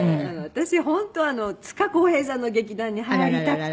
私本当はつかこうへいさんの劇団に入りたくて。